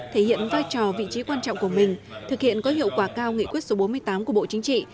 thể hiện vai trò vị trí quan trọng của mình thực hiện có hiệu quả cao nghị quyết số bốn mươi tám của bộ chính trị